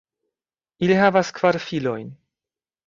Ili havas kvar filojn.